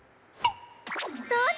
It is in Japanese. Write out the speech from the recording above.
そうだ！